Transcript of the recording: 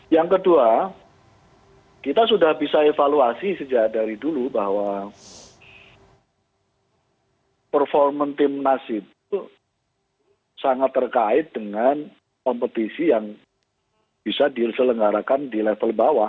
yang kedua kita sudah bisa evaluasi sejak dari dulu bahwa performa timnas itu sangat terkait dengan kompetisi yang bisa diselenggarakan di level bawah